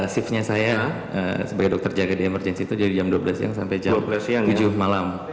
shiftnya saya sebagai dokter jaga di emergency itu dari jam dua belas siang sampai jam tujuh malam